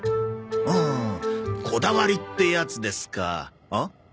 うんこだわりってやつですかあん？